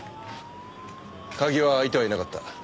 鍵は開いてはいなかった。